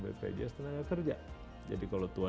bpjs tenaga kerja jadi kalau tua